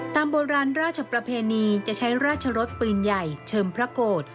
โบราณราชประเพณีจะใช้ราชรสปืนใหญ่เชิมพระโกรธ